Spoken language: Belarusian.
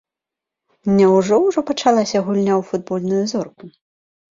Няўжо ўжо пачалася гульня ў футбольную зорку?